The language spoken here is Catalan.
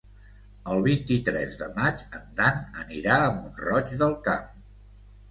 El vint-i-tres de maig en Dan anirà a Mont-roig del Camp.